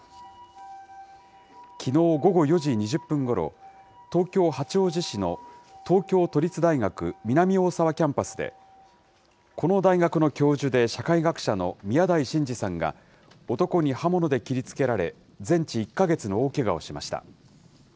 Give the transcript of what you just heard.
きのう午後４時２０分ごろ、東京・八王子市の東京都立大学南大沢キャンパスで、この大学の教授で社会学者の宮台真司さんが、男に刃物で切りつけられ、全治１か月の大けがをしました。